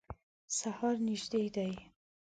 سهار نیژدي دی